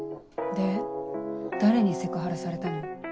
で誰にセクハラされたの？